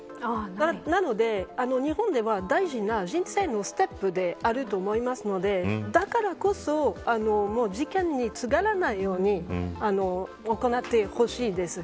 なので、日本では大事な人生のステップであると思いますのでだからこそ事件につながらないように行ってほしいです。